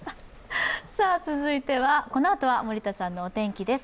このあとは森田さんのお天気です。